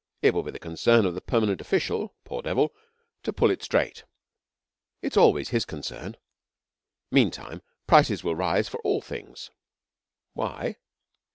It will be the concern of the Permanent Official poor devil! to pull it straight. It is always his concern. Meantime, prices will rise for all things.' 'Why?'